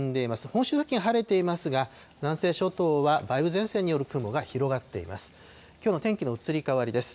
本州付近、晴れていますが、南西諸島は梅雨前線による雲が広がっています。